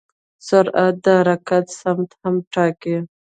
سرعت د حرکت سمت هم ټاکي.